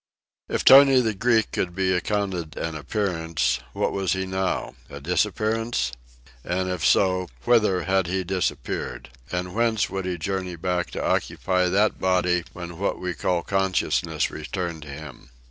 If Tony the Greek be accounted an appearance, what was he now?—a disappearance? And if so, whither had he disappeared? And whence would he journey back to reoccupy that body when what we call consciousness returned to him?